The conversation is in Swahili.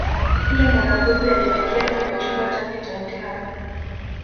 kila mwanafunzi alielekea kwenye chumba chake cha mtihani